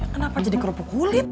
kenapa jadi kerupuk kulit